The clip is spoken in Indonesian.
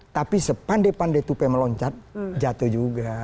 tapi sepande pande tupai meloncat jatuh juga